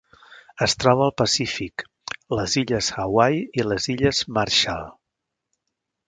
Es troba al Pacífic: les Illes Hawaii i les Illes Marshall.